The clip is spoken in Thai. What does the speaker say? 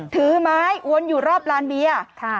ถือไม้อวนอยู่รอบลานเบียร์